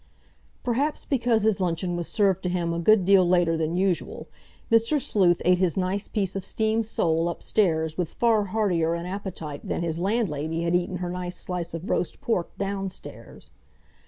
Perhaps because his luncheon was served to him a good deal later than usual, Mr. Sleuth ate his nice piece of steamed sole upstairs with far heartier an appetite than his landlady had eaten her nice slice of roast pork downstairs.